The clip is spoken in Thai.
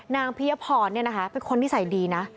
พิยพรเป็นคนนิสัยดีนะ